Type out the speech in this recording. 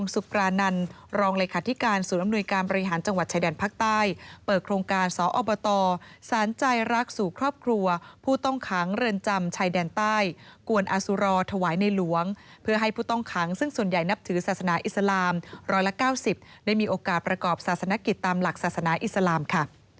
สนใจรักสู่ครอบครัวผู้ต้องขังเรินจำชายแดนใต้กวนอาสุรทวายในหลวงเพื่อให้ผู้ต้องขังซึ่งส่วนใหญ่นับถือศาสนาอิสลาม๑๙๐ได้มีโอกาสประกอบศาสนาคิดตามหลักศาสนาอิสลามค่ะ